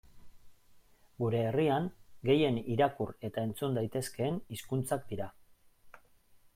Gure herrian gehien irakur eta entzun daitezkeen hizkuntzak dira.